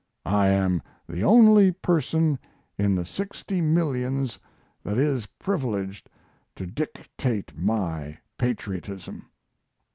I am the only person in the sixty millions that is privileged to dictate my patriotism."